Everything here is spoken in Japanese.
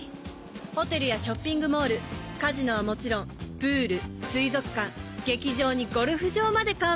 ホテルやショッピングモールカジノはもちろんプール水族館劇場にゴルフ場まで完備。